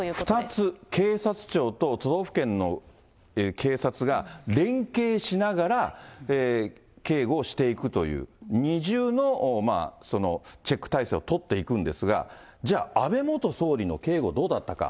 ２つ、警察庁と都道府県の警察が連携しながら、警護をしていくという、二重のチェック体制を取っていくんですが、じゃあ、安倍元総理の警護、どうだったか。